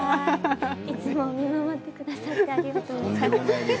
いつも見守ってくださってありがとうございます。